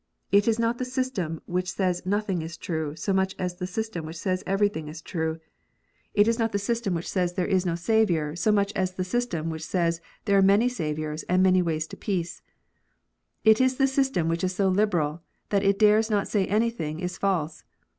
It is not the system which says nothing is true, so much as the system which says everything is true. It is not the system 40 KNOTS UNTIED. which says there is no Saviour, so much as the system which says there are many saviours, and many ways to peace ! It is the system which is so liberal, that it dares not say anything is false.